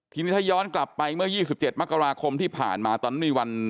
ทีนี้ถ้าย้อนกลับไปเมื่อ๒๗มกราคมที่ผ่านมาตอนนั้นมีวัน